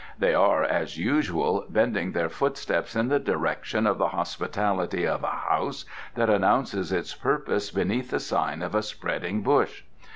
They are, as usual, bending their footsteps in the direction of the hospitality of a house that announces its purpose beneath the sign of a spreading bush.